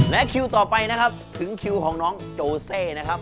และคิวต่อไปนะครับถึงคิวของน้องโจเซนะครับ